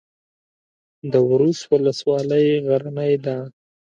د ورس ولسوالۍ غرنۍ ده